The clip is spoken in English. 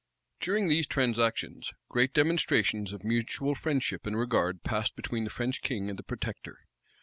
During these transactions, great demonstrations of mutual friendship and regard passed between the French king and the protector.